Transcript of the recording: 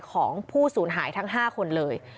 ของผู้สูญหายทั้ง๕คนเลย